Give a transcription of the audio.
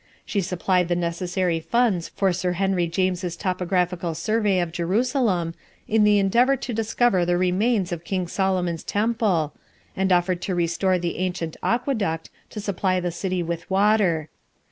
She supplied the necessary funds for Sir Henry James' topographical survey of Jerusalem, in the endeavor to discover the remains of King Solomon's temple, and offered to restore the ancient aqueduct, to supply the city with water.